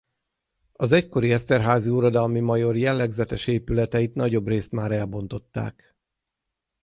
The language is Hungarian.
Az egykori Esterházy uradalmi major jellegzetes épületeit nagyobbrészt már elbontották.